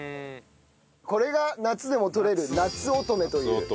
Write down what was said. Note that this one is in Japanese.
これが夏でも取れるなつおとめという。